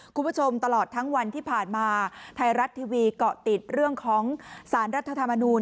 คุณผู้ชมตลอดทั้งวันที่ผ่านมาไทยรัฐทีวีเกาะติดเรื่องของสารรัฐธรรมนูล